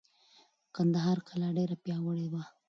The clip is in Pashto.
د کندهار کلا ډېره پیاوړې وه.